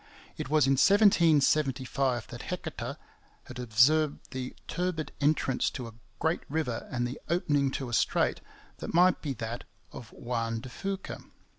It was in 1775 that Heceta had observed the turbid entrance to a great river and the opening to a strait that might be that of Juan de Fuca.